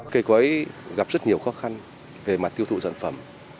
cây cõi gặp rất nhiều khó khăn về mặt tiêu thụ sản phẩm